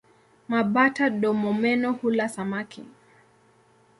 Mabata-domomeno hula samaki.